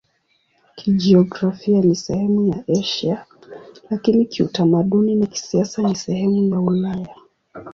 Kijiografia ni sehemu ya Asia, lakini kiutamaduni na kisiasa ni sehemu ya Ulaya.